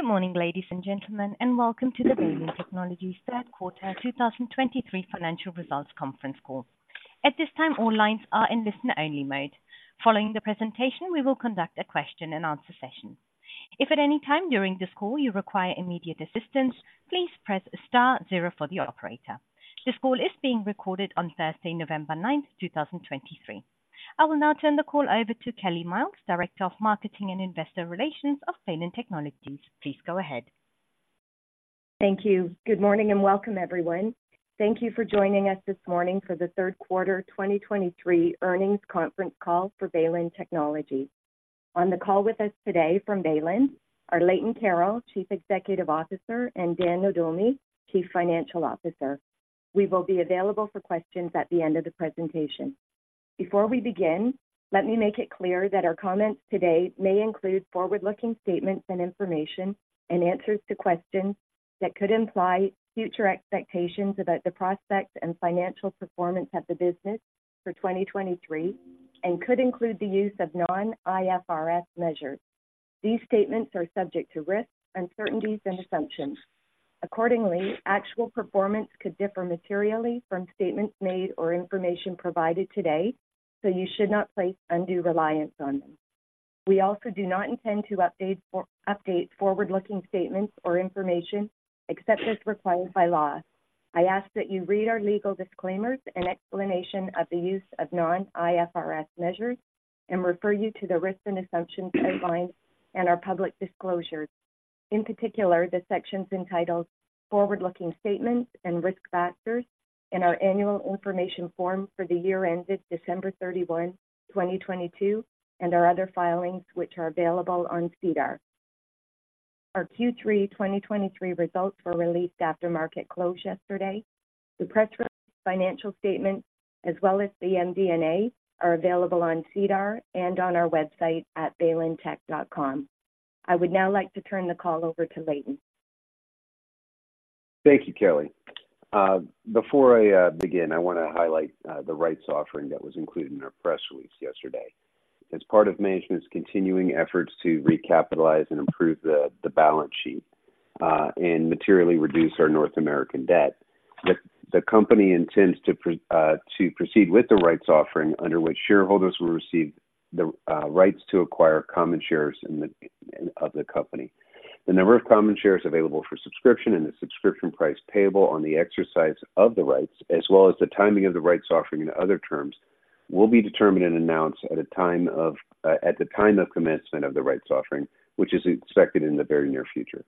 Good morning, ladies and gentlemen, and welcome to the Baylin Technologies Q3 2023 Financial Results Conference Call. At this time, all lines are in listen-only mode. Following the presentation, we will conduct a question-and-answer session. If at any time during this call you require immediate assistance, please press star zero for the operator. This call is being recorded on Thursday, November ninth, two thousand and twenty-three. I will now turn the call over to Kelly Myles, Director of Marketing and Investor Relations of Baylin Technologies. Please go ahead. Thank you. Good morning, and welcome, everyone. Thank you for joining us this morning for the Q3 2023 earnings conference call for Baylin Technologies. On the call with us today from Baylin are Leighton Carroll, Chief Executive Officer, and Dan Nohdomi, Chief Financial Officer. We will be available for questions at the end of the presentation. Before we begin, let me make it clear that our comments today may include forward-looking statements and information and answers to questions that could imply future expectations about the prospects and financial performance of the business for 2023 and could include the use of non-IFRS measures. These statements are subject to risks, uncertainties and assumptions. Accordingly, actual performance could differ materially from statements made or information provided today, so you should not place undue reliance on them. We also do not intend to update forward-looking statements or information except as required by law. I ask that you read our legal disclaimers and explanation of the use of non-IFRS measures and refer you to the risks and assumptions outlined in our public disclosures, in particular, the sections entitled Forward-Looking Statements and Risk Factors in our annual information form for the year ended December 31, 2022, and our other filings, which are available on SEDAR. Our Q3 2023 results were released after market close yesterday. The press release, financial statement, as well as the MD&A, are available on SEDAR and on our website at baylintech.com. I would now like to turn the call over to Leighton. Thank you, Kelly. Before I begin, I want to highlight the rights offering that was included in our press release yesterday. As part of management's continuing efforts to recapitalize and improve the balance sheet, and materially reduce our North American debt, the company intends to proceed with the rights offering, under which shareholders will receive the rights to acquire common shares in the company. The number of common shares available for subscription and the subscription price payable on the exercise of the rights, as well as the timing of the rights offering and other terms, will be determined and announced at the time of commencement of the rights offering, which is expected in the very near future.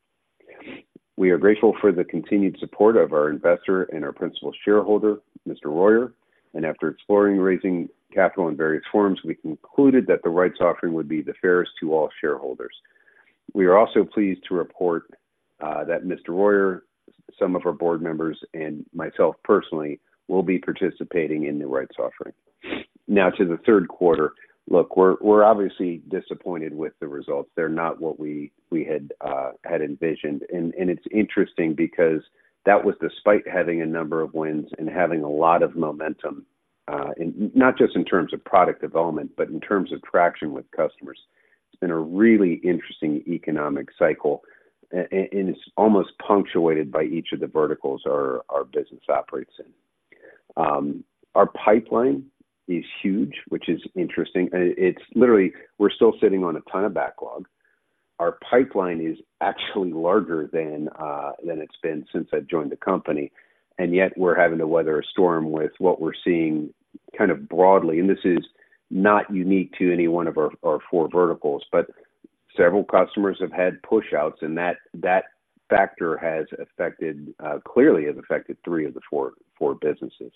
We are grateful for the continued support of our investor and our principal shareholder, Mr. Royer, and after exploring raising capital in various forms, we concluded that the rights offering would be the fairest to all shareholders. We are also pleased to report that Mr. Royer, some of our board members, and myself personally, will be participating in the rights offering. Now to the Q3. Look, we're obviously disappointed with the results. They're not what we had envisioned. And it's interesting because that was despite having a number of wins and having a lot of momentum, and not just in terms of product development, but in terms of traction with customers. It's been a really interesting economic cycle, and it's almost punctuated by each of the verticals our business operates in. Our pipeline is huge, which is interesting. And it's literally, we're still sitting on a ton of backlog. Our pipeline is actually larger than, than it's been since I've joined the company, and yet we're having to weather a storm with what we're seeing kind of broadly. This is not unique to any one of our four verticals, but several customers have had pushouts, and that factor has affected, clearly has affected three of the four businesses.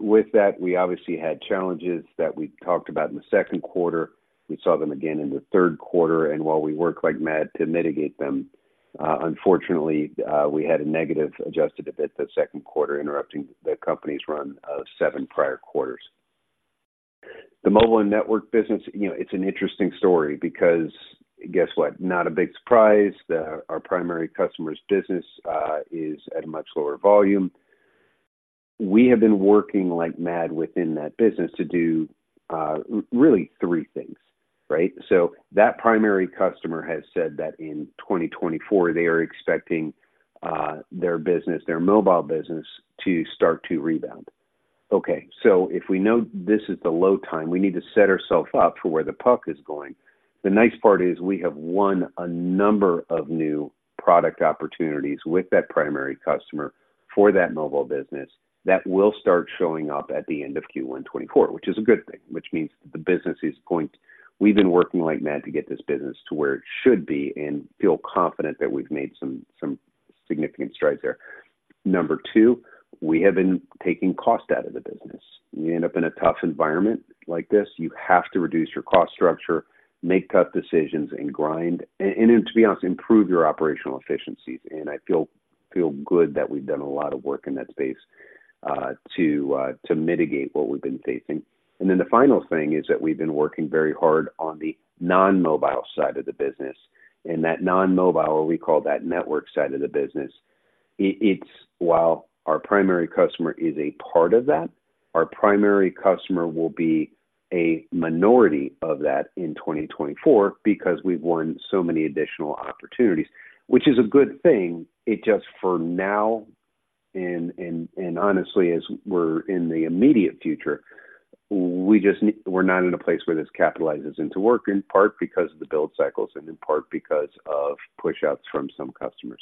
With that, we obviously had challenges that we talked about in the Q2. We saw them again in the Q3, and while we worked like mad to mitigate them, unfortunately, we had a negative Adjusted EBITDA the Q2, interrupting the company's run of seven prior quarters. The mobile and network business, you know, it's an interesting story because guess what? Not a big surprise. Our primary customer's business is at a much lower volume. We have been working like mad within that business to do really three things, right? So that primary customer has said that in 2024, they are expecting their business, their mobile business, to start to rebound. Okay, so if we know this is the low time, we need to set ourselves up for where the puck is going. The nice part is we have won a number of new product opportunities with that primary customer for that mobile business. That will start showing up at the end of Q1 2024, which is a good thing, which means the business is going... We've been working like mad to get this business to where it should be and feel confident that we've made some significant strides there. Number two, we have been taking cost out of the business. You end up in a tough environment like this, you have to reduce your cost structure, make tough decisions, and grind, and to be honest, improve your operational efficiencies. And I feel good that we've done a lot of work in that space, to mitigate what we've been facing. And then the final thing is that we've been working very hard on the non-mobile side of the business, and that non-mobile, we call that network side of the business. It's, while our primary customer is a part of that, our primary customer will be a minority of that in 2024 because we've won so many additional opportunities, which is a good thing. It just for now, and honestly, as we're in the immediate future, we're not in a place where this capitalizes into work, in part because of the build cycles and in part because of pushouts from some customers.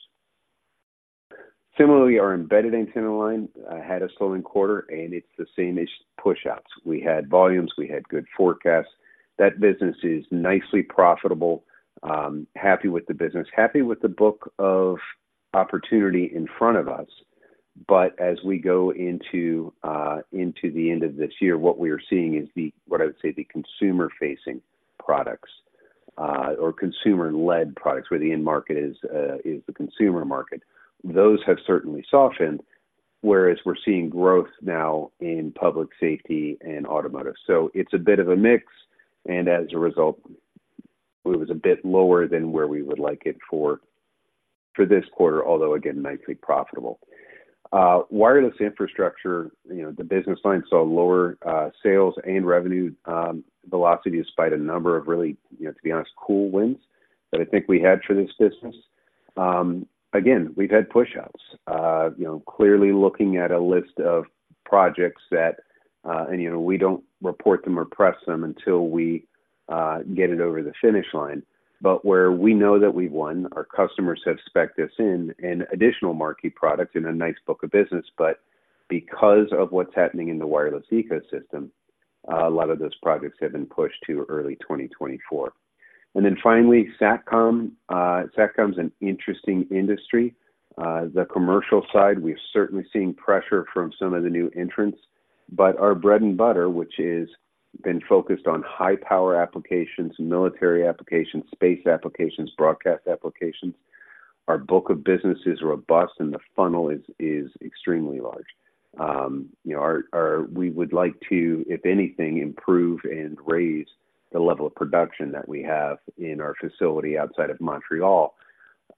Similarly, our embedded antenna line had a slowing quarter, and it's the same as pushouts. We had volumes, we had good forecasts. That business is nicely profitable, happy with the business, happy with the book of opportunity in front of us. But as we go into the end of this year, what we are seeing is the-- what I would say, the consumer-facing products, or consumer-led products, where the end market is the consumer market. Those have certainly softened, whereas we're seeing growth now in public safety and automotive. So it's a bit of a mix, and as a result, it was a bit lower than where we would like it for this quarter, although again, nicely profitable. Wireless Infrastructure, you know, the business line saw lower sales and revenue velocity, despite a number of really, you know, to be honest, cool wins that I think we had for this business. Again, we've had pushouts. You know, clearly looking at a list of projects that and, you know, we don't report them or press them until we get it over the finish line, but where we know that we've won, our customers have spec'd us in additional marquee products, in a nice book of business. But because of what's happening in the wireless ecosystem, a lot of those projects have been pushed to early 2024. And then finally, Satcom. Satcom's an interesting industry. The commercial side, we've certainly seen pressure from some of the new entrants, but our bread and butter, which is been focused on high power applications, military applications, space applications, broadcast applications, our book of business is robust, and the funnel is extremely large. You know, we would like to, if anything, improve and raise the level of production that we have in our facility outside of Montreal.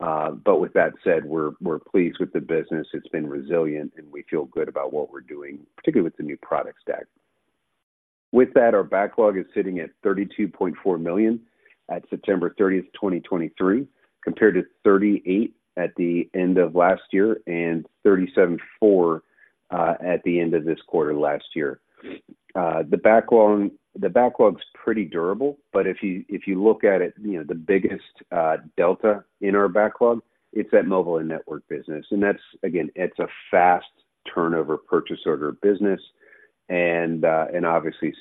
But with that said, we're pleased with the business. It's been resilient, and we feel good about what we're doing, particularly with the new product stack. With that, our backlog is sitting at 32.4 million at September thirtieth, 2023, compared to 38 at the end of last year and 37.4 at the end of this quarter last year. The backlog's pretty durable, but if you look at it, you know, the biggest delta in our backlog is that mobile and network business. And that's, again, it's a fast turnover purchase order business, and obviously,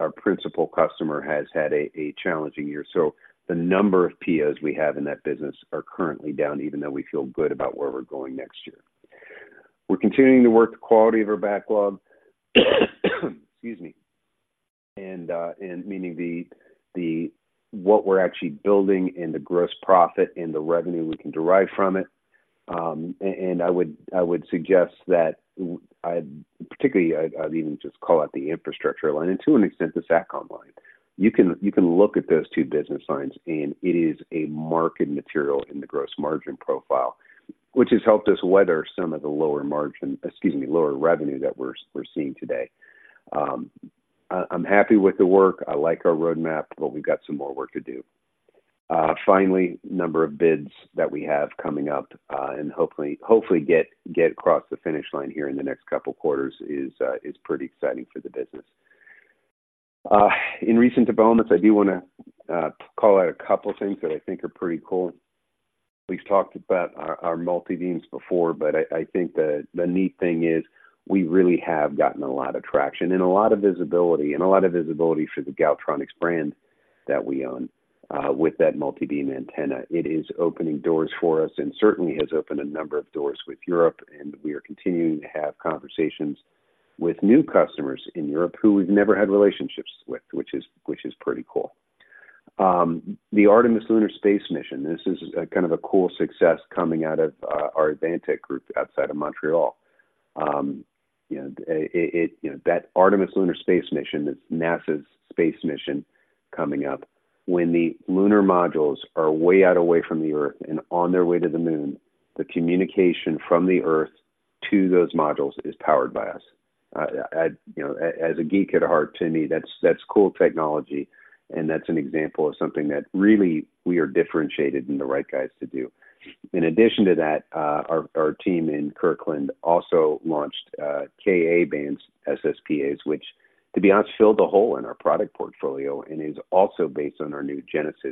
our principal customer has had a challenging year. So the number of POs we have in that business are currently down, even though we feel good about where we're going next year. We're continuing to work the quality of our backlog. Excuse me, and meaning the, what we're actually building and the gross profit and the revenue we can derive from it. And I would suggest that, particularly, I'd even just call out the infrastructure line and to an extent, the Satcom line. You can look at those two business lines, and it is a market material in the gross margin profile, which has helped us weather some of the lower margin, excuse me, lower revenue that we're seeing today. I'm happy with the work. I like our roadmap, but we've got some more work to do. Finally, number of bids that we have coming up, and hopefully get across the finish line here in the next couple of quarters is pretty exciting for the business. In recent developments, I do wanna call out a couple of things that I think are pretty cool. We've talked about our multibeam antennas before, but I think the neat thing is we really have gotten a lot of traction and a lot of visibility, and a lot of visibility for the Galtronics brand that we own with that multibeam antenna. It is opening doors for us and certainly has opened a number of doors with Europe, and we are continuing to have conversations with new customers in Europe who we've never had relationships with, which is pretty cool. The Artemis lunar space mission, this is a kind of a cool success coming out of our Advantech group outside of Montreal. You know, it you know, that Artemis lunar space mission, it's NASA's space mission coming up. When the lunar modules are way out, away from the Earth and on their way to the moon, the communication from the Earth to those modules is powered by us. I, you know, as a geek at heart, to me, that's, that's cool technology, and that's an example of something that really we are differentiated and the right guys to do. In addition to that, our team in Kirkland also launched Ka-band SSPAs, which, to be honest, filled a hole in our product portfolio and is also based on our new Genesis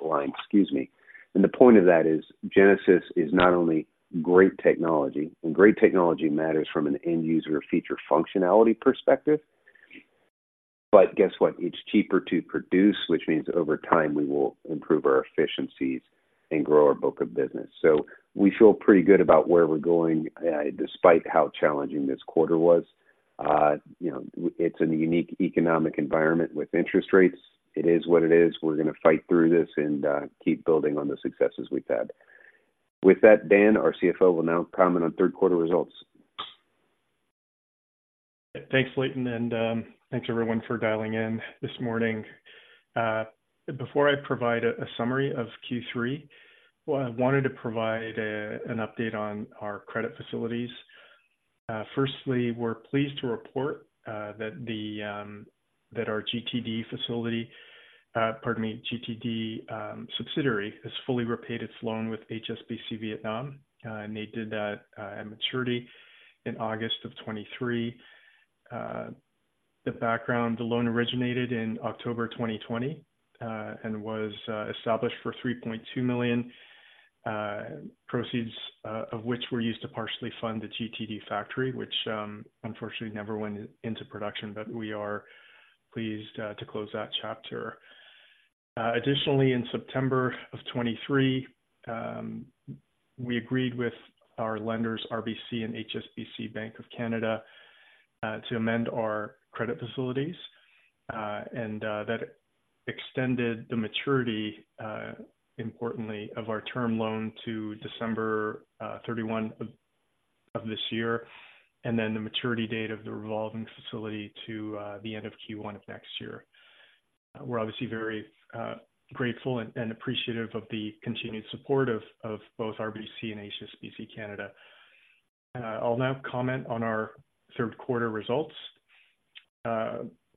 line, excuse me. The point of that is, Genesis is not only great technology, and great technology matters from an end-user feature functionality perspective, but guess what? It's cheaper to produce, which means over time, we will improve our efficiencies and grow our book of business. So we feel pretty good about where we're going, despite how challenging this quarter was. You know, it's a unique economic environment with interest rates. It is what it is. We're gonna fight through this and keep building on the successes we've had. With that, Dan, our CFO, will now comment on Q3 results. Thanks, Leighton, and, thanks everyone for dialing in this morning. Before I provide a summary of Q3, well, I wanted to provide an update on our credit facilities. Firstly, we're pleased to report that our GTV facility, pardon me, GTV subsidiary, has fully repaid its loan with HSBC Vietnam, and they did that at maturity in August 2023. The background, the loan originated in October 2020, and was established for 3.2 million proceeds, of which were used to partially fund the GTV factory, which, unfortunately, never went into production, but we are pleased to close that chapter. Additionally, in September 2023, we agreed with our lenders, RBC and HSBC Bank of Canada, to amend our credit facilities, and that extended the maturity, importantly, of our term loan to December 31 of this year, and then the maturity date of the revolving facility to the end of Q1 of next year. We're obviously very grateful and appreciative of the continued support of both RBC and HSBC Canada. I'll now comment on our Q3 results.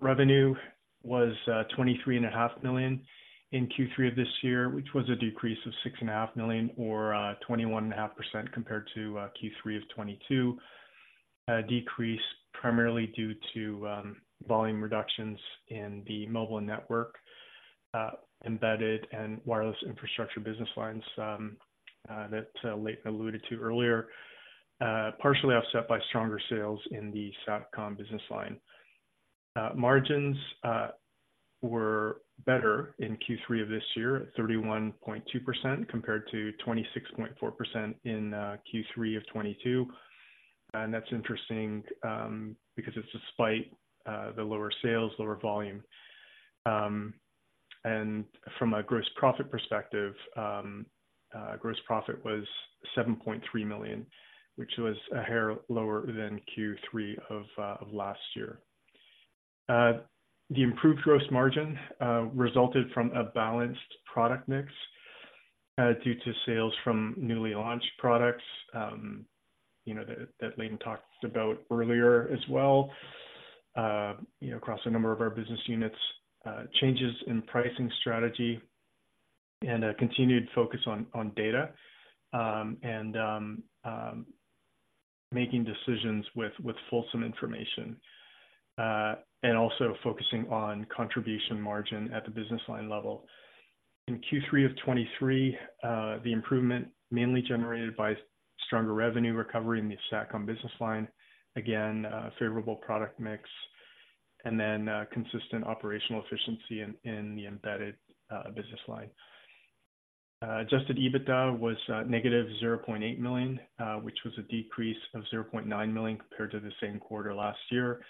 Revenue was 23.5 million in Q3 of this year, which was a decrease of 6.5 million or 21.5% compared to Q3 of 2022. Decrease primarily due to volume reductions in the mobile network, embedded and wireless infrastructure business lines, that Leighton alluded to earlier, partially offset by stronger sales in the Satcom business line. Margins were better in Q3 of this year at 31.2%, compared to 26.4% in Q3 of 2022. That's interesting, because it's despite the lower sales, lower volume. From a gross profit perspective, gross profit was 7.3 million, which was a hair lower than Q3 of last year. The improved gross margin resulted from a balanced product mix due to sales from newly launched products, you know, that that Leighton talked about earlier as well, you know, across a number of our business units, changes in pricing strategy and a continued focus on data and making decisions with fulsome information and also focusing on contribution margin at the business line level. In Q3 of 2023, the improvement mainly generated by stronger revenue recovery in the Satcom business line, again, favorable product mix, and then consistent operational efficiency in the embedded business line. Adjusted EBITDA was negative 0.8 million, which was a decrease of 0.9 million compared to the same quarter last year.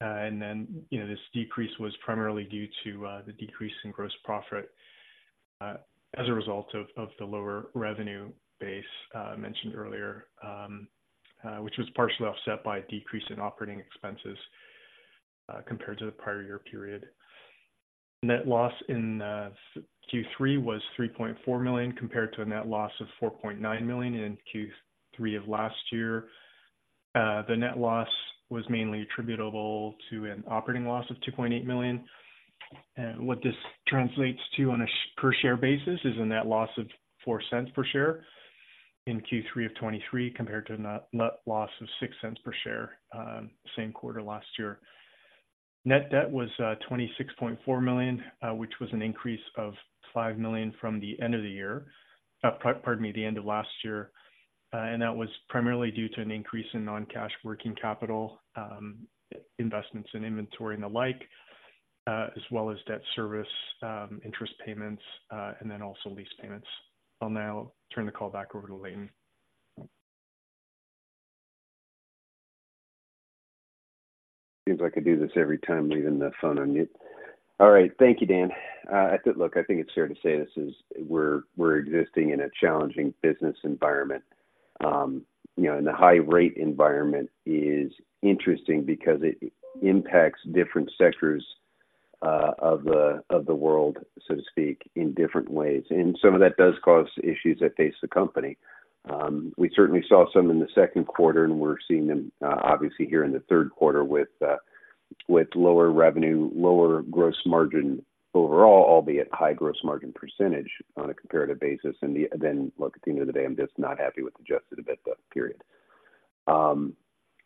And then, you know, this decrease was primarily due to the decrease in gross profit as a result of the lower revenue base I mentioned earlier, which was partially offset by a decrease in operating expenses compared to the prior year period. Net loss in Q3 was 3.4 million, compared to a net loss of 4.9 million in Q3 of last year. The net loss was mainly attributable to an operating loss of 2.8 million. And what this translates to on a per share basis is a net loss of 0.04 per share in Q3 of 2023, compared to a net loss of 0.06 per share, same quarter last year. Net debt was 26.4 million, which was an increase of 5 million from the end of the year. Pardon me, the end of last year. That was primarily due to an increase in non-cash working capital, investments in inventory and the like, as well as debt service, interest payments, and then also lease payments. I'll now turn the call back over to Leighton. Seems I could do this every time, leaving the phone on mute. All right. Thank you, Dan. Look, I think it's fair to say we're existing in a challenging business environment. You know, and the high rate environment is interesting because it impacts different sectors of the world, so to speak, in different ways, and some of that does cause issues that face the company. We certainly saw some in the Q2, and we're seeing them obviously here in the Q3 with lower revenue, lower gross margin overall, albeit high gross margin percentage on a comparative basis. And then, look, at the end of the day, I'm just not happy with Adjusted EBITDA, period.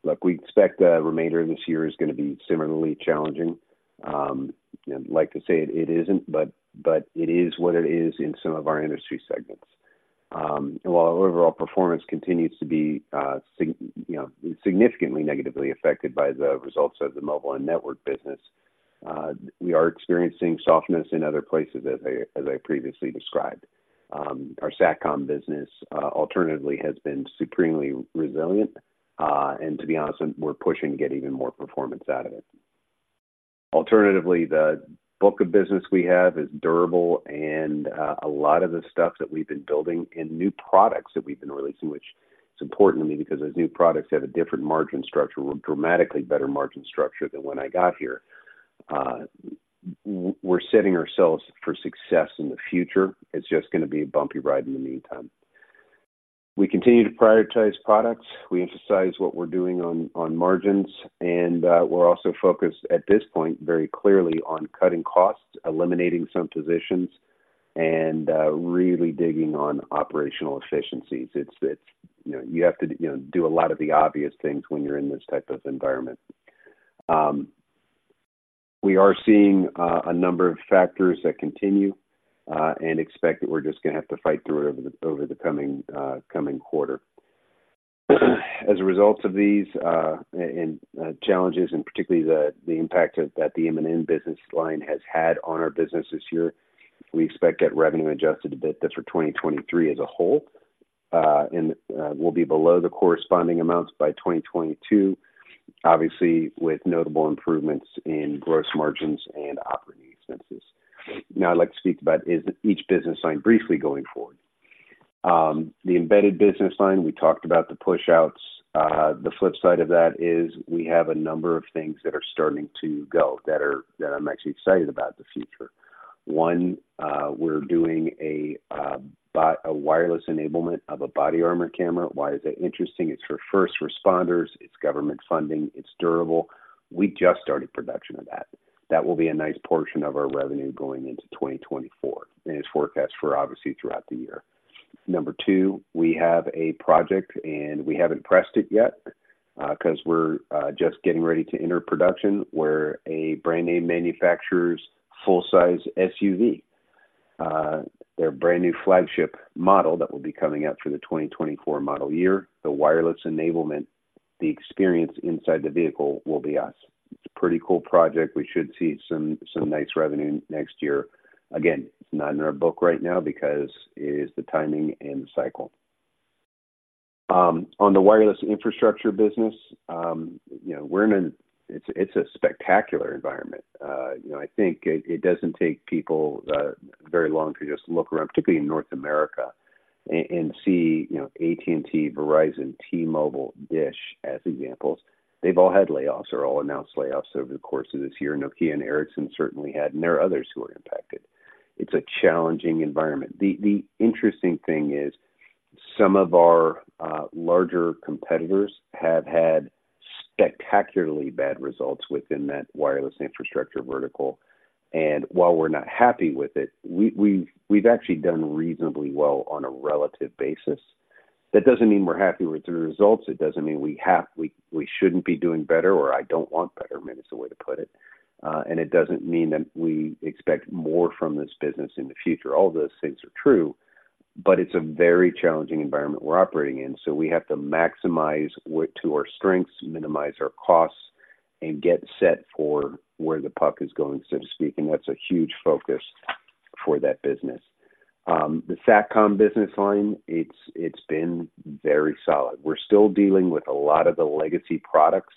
Look, we expect the remainder of this year is gonna be similarly challenging. I'd like to say it, it isn't, but, but it is what it is in some of our industry segments. While overall performance continues to be, you know, significantly negatively affected by the results of the mobile and network business, we are experiencing softness in other places, as I, as I previously described. Our Satcom business, alternatively, has been supremely resilient, and to be honest, and we're pushing to get even more performance out of it. Alternatively, the book of business we have is durable, and, a lot of the stuff that we've been building and new products that we've been releasing, which is important to me, because those new products have a different margin structure, a dramatically better margin structure than when I got here. We're setting ourselves for success in the future. It's just going to be a bumpy ride in the meantime. We continue to prioritize products. We emphasize what we're doing on margins, and we're also focused at this point, very clearly, on cutting costs, eliminating some positions, and really digging on operational efficiencies. It's, you know, you have to, you know, do a lot of the obvious things when you're in this type of environment. We are seeing a number of factors that continue and expect that we're just going to have to fight through it over the coming quarter. As a result of these challenges, and particularly the impact that the mMIMO business line has had on our business this year, we expect that revenue and adjusted EBITDA, that's for 2023 as a whole, and will be below the corresponding amounts from 2022. Obviously, with notable improvements in gross margins and operating expenses. Now, I'd like to speak about each business line briefly going forward. The embedded business line, we talked about the push outs. The flip side of that is we have a number of things that are starting to go, that I'm actually excited about the future. One, we're doing a wireless enablement of a body armor camera. Why is that interesting? It's for first responders, it's government funding, it's durable. We just started production of that. That will be a nice portion of our revenue going into 2024, and it's forecast for obviously throughout the year. Number two, we have a project, and we haven't pressed it yet, because we're just getting ready to enter production, where a brand name manufacturer's full size SUV, their brand new flagship model that will be coming out for the 2024 model year, the wireless enablement, the experience inside the vehicle will be us. It's a pretty cool project. We should see some nice revenue next year. Again, it's not in our book right now because it is the timing and the cycle. On the wireless infrastructure business, you know, we're in an, it's a spectacular environment. You know, I think it doesn't take people very long to just look around, particularly in North America, and see, you know, AT&T, Verizon, T-Mobile, Dish, as examples. They've all had layoffs or all announced layoffs over the course of this year. Nokia and Ericsson certainly had, and there are others who are impacted. It's a challenging environment. The interesting thing is, some of our larger competitors have had spectacularly bad results within that wireless infrastructure vertical, and while we're not happy with it, we, we've, we've actually done reasonably well on a relative basis. That doesn't mean we're happy with the results. It doesn't mean we have, we, we shouldn't be doing better, or I don't want better, maybe it's the way to put it. And it doesn't mean that we expect more from this business in the future. All those things are true, but it's a very challenging environment we're operating in, so we have to maximize with to our strengths, minimize our costs, and get set for where the puck is going, so to speak, and that's a huge focus for that business. The Satcom business line, it's been very solid. We're still dealing with a lot of the legacy products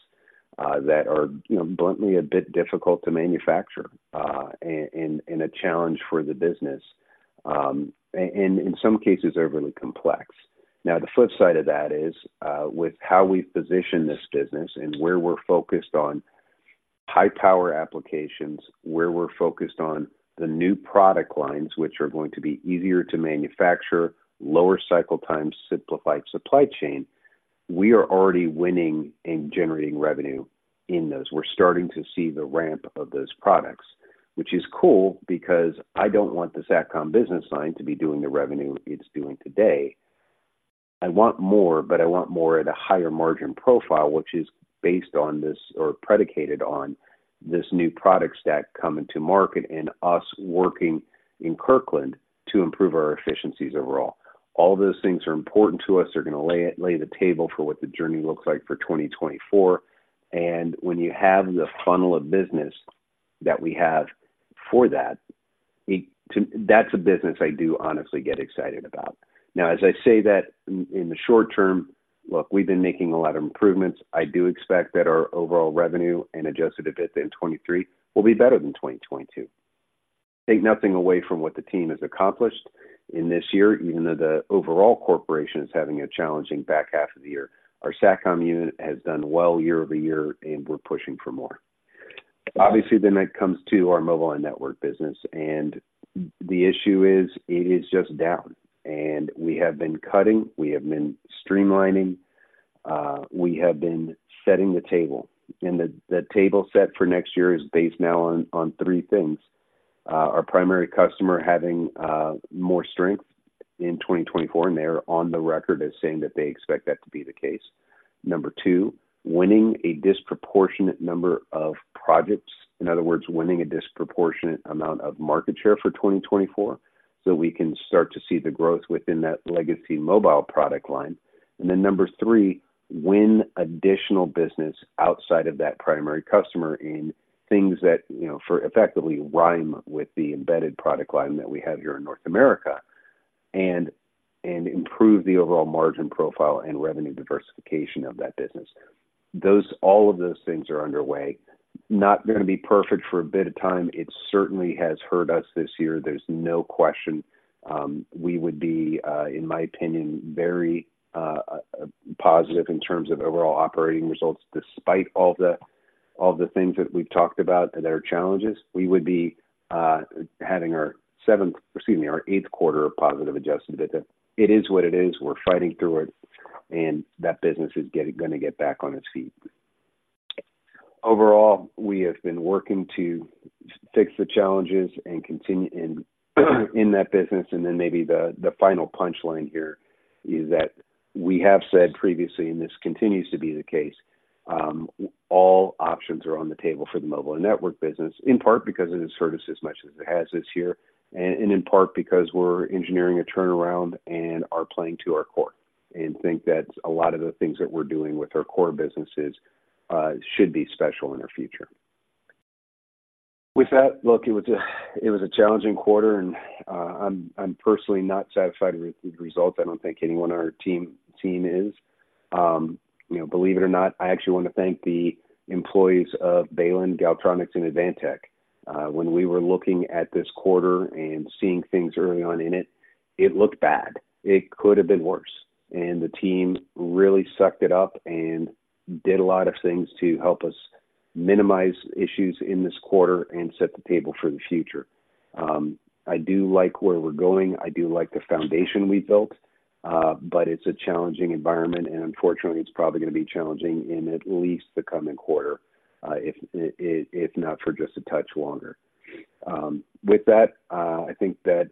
that are, you know, bluntly, a bit difficult to manufacture, and a challenge for the business, in some cases, they're really complex. Now, the flip side of that is, with how we position this business and where we're focused on high power applications, where we're focused on the new product lines, which are going to be easier to manufacture, lower cycle times, simplified supply chain, we are already winning and generating revenue in those. We're starting to see the ramp of those products, which is cool because I don't want the Satcom business line to be doing the revenue it's doing today. I want more, but I want more at a higher margin profile, which is based on this, or predicated on this new product stack coming to market and us working in Kirkland to improve our efficiencies overall. All those things are important to us. They're going to lay the table for what the journey looks like for 2024, and when you have the funnel of business that we have for that, it, that's a business I do honestly get excited about. Now, as I say that, in the short term, look, we've been making a lot of improvements. I do expect that our overall revenue and Adjusted EBITDA in 2023 will be better than 2022. Take nothing away from what the team has accomplished in this year, even though the overall corporation is having a challenging back half of the year. Our Satcom unit has done well year-over-year, and we're pushing for more. Obviously, then that comes to our mobile and network business, and the issue is, it is just down, and we have been cutting, we have been streamlining, we have been setting the table, and the table set for next year is based now on three things: our primary customer having more strength in 2024, and they're on the record as saying that they expect that to be the case. Number two, winning a disproportionate number of projects. In other words, winning a disproportionate amount of market share for 2024, so we can start to see the growth within that legacy mobile product line. And then number 3, win additional business outside of that primary customer in things that, you know, for effectively rhyme with the embedded product line that we have here in North America and improve the overall margin profile and revenue diversification of that business. All of those things are underway. Not going to be perfect for a bit of time. It certainly has hurt us this year, there's no question. We would be, in my opinion, very positive in terms of overall operating results, despite all the, all the things that we've talked about that are challenges. We would be having our seventh, excuse me, our eighth quarter of positive Adjusted EBITDA. It is what it is. We're fighting through it, and that business is gonna get back on its feet. Overall, we have been working to fix the challenges and continue in that business, and then maybe the final punch line here is that we have said previously, and this continues to be the case, all options are on the table for the mobile and network business, in part because it has hurt us as much as it has this year, and in part because we're engineering a turnaround and are playing to our core, and think that a lot of the things that we're doing with our core businesses should be special in our future. With that, look, it was a challenging quarter, and I'm personally not satisfied with the results. I don't think anyone on our team is. You know, believe it or not, I actually want to thank the employees of Baylin, Galtronics, and Advantech. When we were looking at this quarter and seeing things early on in it, it looked bad. It could have been worse, and the team really sucked it up and did a lot of things to help us minimize issues in this quarter and set the table for the future. I do like where we're going. I do like the foundation we've built, but it's a challenging environment, and unfortunately, it's probably going to be challenging in at least the coming quarter, if not for just a touch longer. With that, I think that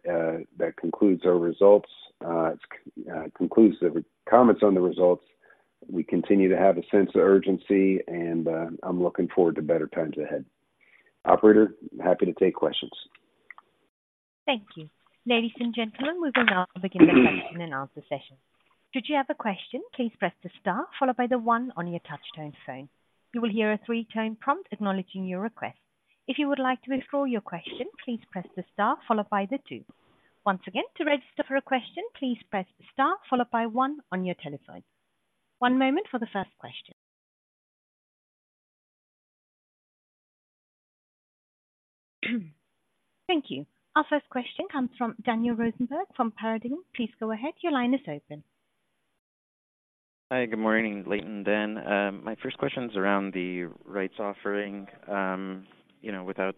that concludes our results, concludes the comments on the results. We continue to have a sense of urgency, and I'm looking forward to better times ahead. Operator, happy to take questions. Thank you. Ladies and gentlemen, we will now begin the question and answer session. Should you have a question, please press the star followed by the one on your touchtone phone. You will hear a three-tone prompt acknowledging your request. If you would like to withdraw your question, please press the star followed by the two. Once again, to register for a question, please press the star followed by one on your telephone. One moment for the first question. Thank you. Our first question comes from Daniel Rosenberg from Paradigm. Please go ahead, your line is open. Hi, good morning, Leighton, Dan. My first question is around the rights offering. You know, without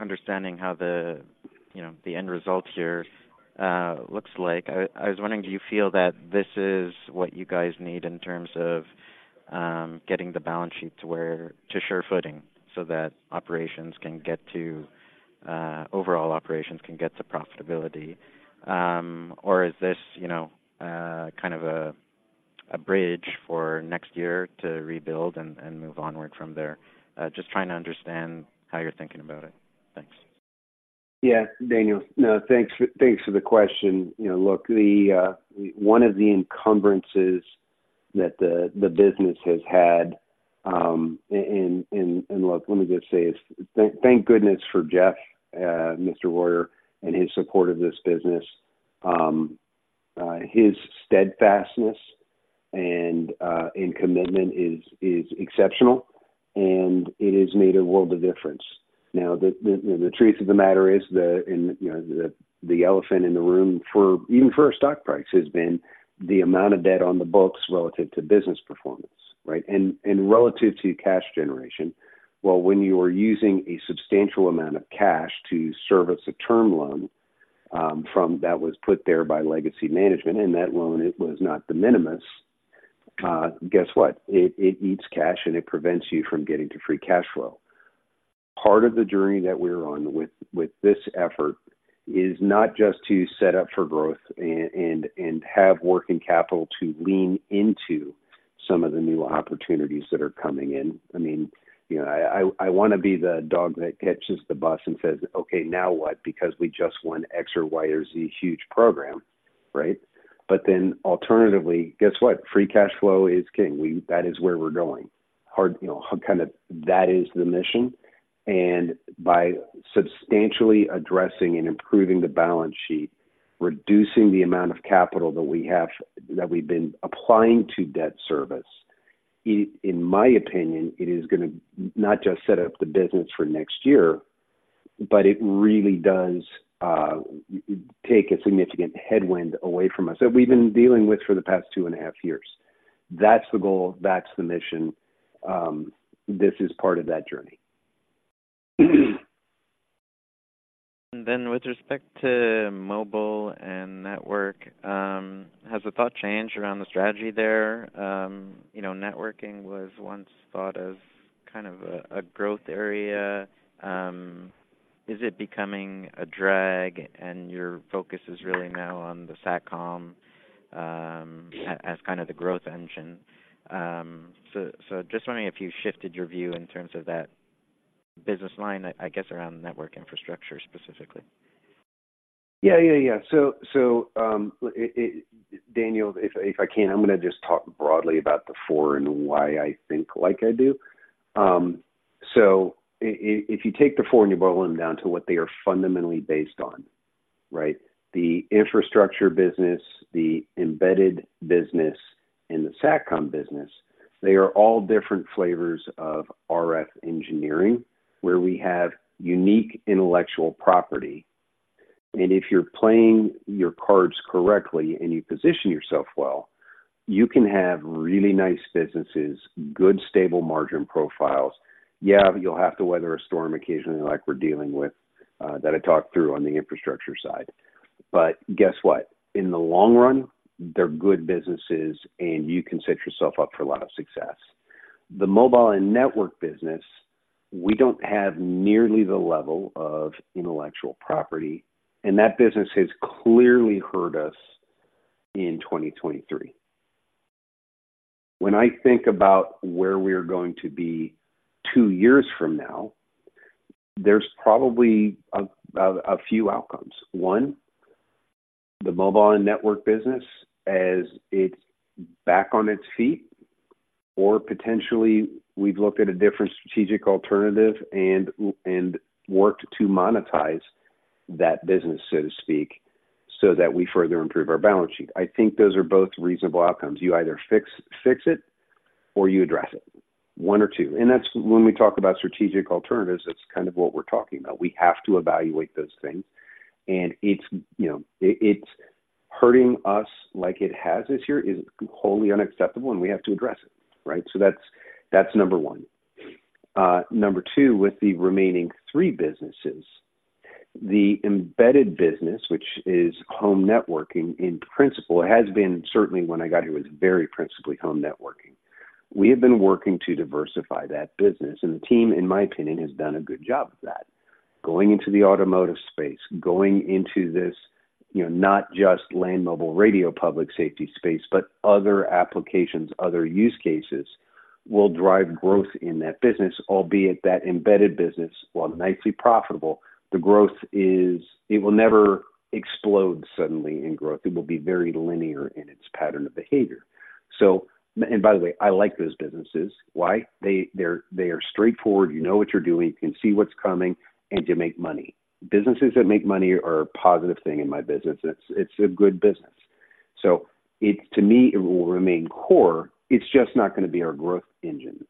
understanding how the, you know, the end result here looks like, I was wondering, do you feel that this is what you guys need in terms of getting the balance sheet to sure footing so that overall operations can get to profitability? Or is this, you know, kind of a bridge for next year to rebuild and move onward from there? Just trying to understand how you're thinking about it. Thanks. Yeah, Daniel. No, thanks, thanks for the question. You know, look, the one of the encumbrances that the business has had, and, and look, let me just say, thank goodness for Jeff, Mr. Royer, and his support of this business. His steadfastness and commitment is exceptional, and it has made a world of difference. Now, the truth of the matter is that, and, you know, the elephant in the room for, even for our stock price, has been the amount of debt on the books relative to business performance, right? And relative to cash generation. Well, when you are using a substantial amount of cash to service a term loan, from that was put there by legacy management, and that loan, it was not de minimis, guess what? It eats cash, and it prevents you from getting to free cash flow. Part of the journey that we're on with this effort is not just to set up for growth and have working capital to lean into some of the new opportunities that are coming in. I mean, you know, I want to be the dog that catches the bus and says, "Okay, now what?" Because we just won X or Y or Z huge program, right? But then alternatively, guess what? Free cash flow is king. That is where we're going. Hard, you know, kind of that is the mission. By substantially addressing and improving the balance sheet, reducing the amount of capital that we have, that we've been applying to debt service, in my opinion, it is gonna not just set up the business for next year, but it really does take a significant headwind away from us that we've been dealing with for the past two and a half years. That's the goal, that's the mission. This is part of that journey. Then with respect to mobile and network, has the thought changed around the strategy there? You know, networking was once thought of as kind of a growth area. Is it becoming a drag and your focus is really now on the SatCom, as kind of the growth engine? So just wondering if you shifted your view in terms of that business line, I guess, around the network infrastructure specifically. Yeah, yeah, yeah. So, so, Daniel, if, if I can, I'm gonna just talk broadly about the four and why I think like I do. So if you take the four and you boil them down to what they are fundamentally based on, right? The infrastructure business, the embedded business, and the Satcom business, they are all different flavors of RF engineering, where we have unique intellectual property. And if you're playing your cards correctly and you position yourself well, you can have really nice businesses, good, stable margin profiles. Yeah, you'll have to weather a storm occasionally, like we're dealing with that I talked through on the infrastructure side. But guess what? In the long run, they're good businesses, and you can set yourself up for a lot of success. The mobile and network business, we don't have nearly the level of intellectual property, and that business has clearly hurt us in 2023. When I think about where we are going to be two years from now, there's probably a few outcomes. One, the mobile and network business, as it's back on its feet, or potentially we've looked at a different strategic alternative and worked to monetize that business, so to speak, so that we further improve our balance sheet. I think those are both reasonable outcomes. You either fix it or you address it, one or two. And that's when we talk about strategic alternatives, that's kind of what we're talking about. We have to evaluate those things, and it's, you know, it, it's hurting us like it has this year is wholly unacceptable, and we have to address it, right? So that's, that's number one. Number two, with the remaining three businesses, the embedded business, which is home networking in principle, it has been certainly when I got here, it was very principally home networking. We have been working to diversify that business, and the team, in my opinion, has done a good job of that. Going into the automotive space, going into this, you know, not just land mobile radio, public safety space, but other applications, other use cases will drive growth in that business, albeit that embedded business, while nicely profitable, the growth is... It will never explode suddenly in growth. It will be very linear in its pattern of behavior. So, and by the way, I like those businesses. Why? They, they're, they are straightforward. You know what you're doing, you can see what's coming, and you make money. Businesses that make money are a positive thing in my business. It's a good business. So it, to me, it will remain core. It's just not going to be our growth engine.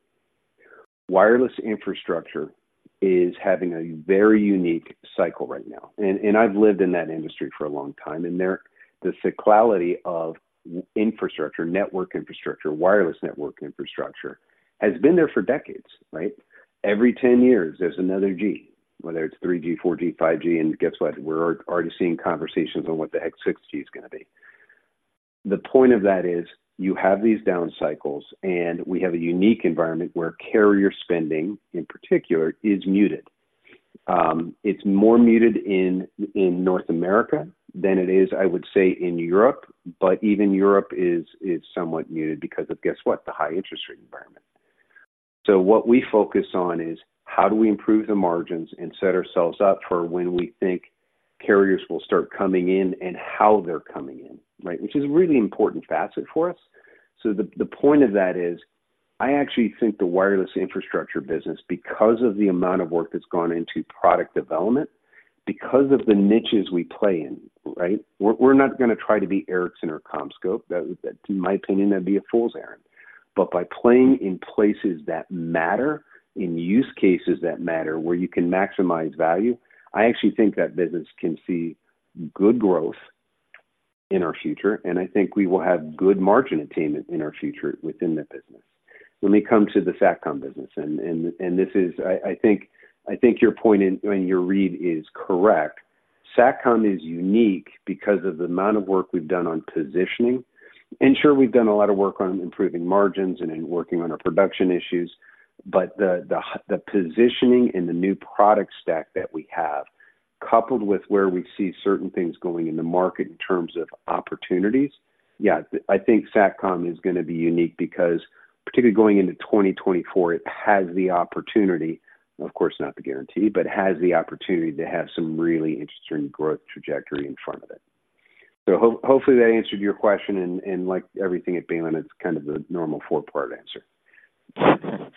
Wireless infrastructure is having a very unique cycle right now, and I've lived in that industry for a long time, and there, the cyclicality of infrastructure, network infrastructure, wireless network infrastructure, has been there for decades, right? Every 10 years there's another G, whether it's 3G, 4G, 5G, and guess what? We're already seeing conversations on what the heck 6G is going to be. The point of that is, you have these down cycles, and we have a unique environment where carrier spending, in particular, is muted. It's more muted in North America than it is, I would say, in Europe, but even Europe is somewhat muted because of guess what? The high interest rate environment. So what we focus on is how do we improve the margins and set ourselves up for when we think carriers will start coming in and how they're coming in, right? Which is a really important facet for us. So the point of that is, I actually think the wireless infrastructure business, because of the amount of work that's gone into product development, because of the niches we play in, right? We're not going to try to be Ericsson or CommScope. That, in my opinion, that'd be a fool's errand. But by playing in places that matter, in use cases that matter, where you can maximize value, I actually think that business can see good growth in our future, and I think we will have good margin attainment in our future within that business. Let me come to the Satcom business, and this is... I think your point and your read is correct. Satcom is unique because of the amount of work we've done on positioning. And sure, we've done a lot of work on improving margins and in working on our production issues, but the positioning and the new product stack that we have, coupled with where we see certain things going in the market in terms of opportunities, yeah, I think Satcom is going to be unique because particularly going into 2024, it has the opportunity, of course, not the guarantee, but has the opportunity to have some really interesting growth trajectory in front of it. So hopefully, that answered your question, and like everything at Baylin, it's kind of the normal four-part answer.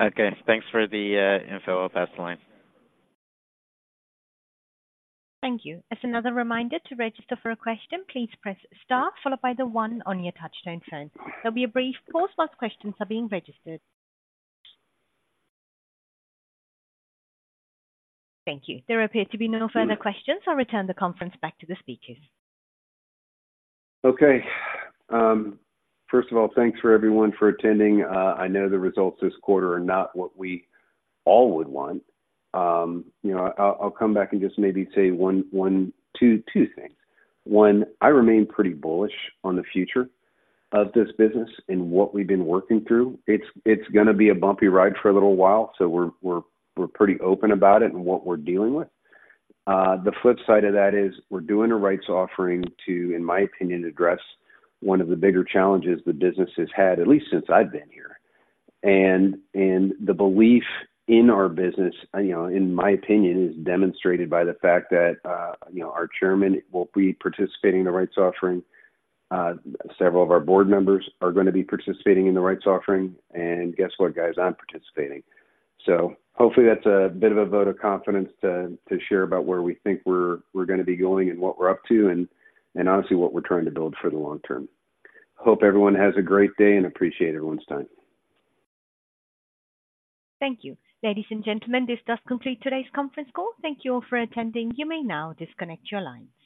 Okay, thanks for the info. I'll pass the line. Thank you. As another reminder to register for a question, please press Star, followed by the one on your touchtone phone. There'll be a brief pause while questions are being registered. Thank you. There appear to be no further questions. I'll return the conference back to the speakers. Okay. First of all, thanks for everyone for attending. I know the results this quarter are not what we all would want. You know, I'll come back and just maybe say one, two things. One, I remain pretty bullish on the future of this business and what we've been working through. It's gonna be a bumpy ride for a little while, so we're pretty open about it and what we're dealing with. The flip side of that is we're doing a rights offering to, in my opinion, address one of the bigger challenges the business has had, at least since I've been here. And the belief in our business, you know, in my opinion, is demonstrated by the fact that, you know, our chairman will be participating in the rights offering. Several of our board members are going to be participating in the rights offering. Guess what, guys? I'm participating. Hopefully, that's a bit of a vote of confidence to share about where we think we're gonna be going and what we're up to and honestly, what we're trying to build for the long term. Hope everyone has a great day and appreciate everyone's time. Thank you. Ladies and gentlemen, this does complete today's conference call. Thank you all for attending. You may now disconnect your lines.